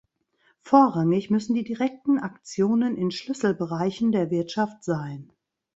Vorrangig müssen die direkten Aktionen in Schlüsselbereichen der Wirtschaft sein.